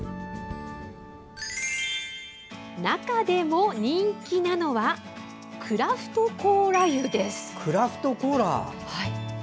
中でも人気なのはクラフトコーラ湯です。